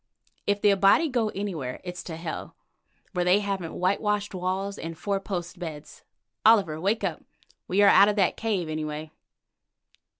"If the Abati go anywhere, it's to hell, where they haven't whitewashed walls and four post beds. Oliver, wake up. We are out of that cave, anyway."